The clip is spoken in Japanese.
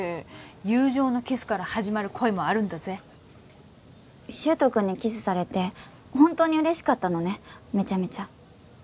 友情のキスから始まる恋もあるんだぜ柊人君にキスされてホントに嬉しかったのねめちゃめちゃ